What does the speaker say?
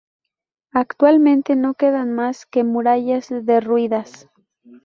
Actualmente no quedan más que murallas derruidas.